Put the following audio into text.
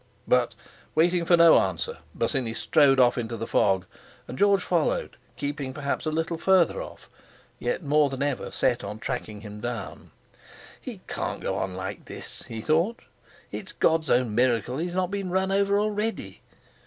But waiting for no answer, Bosinney strode off into the fog, and George followed, keeping perhaps a little further off, yet more than ever set on tracking him down. "He can't go on long like this," he thought. "It's God's own miracle he's not been run over already."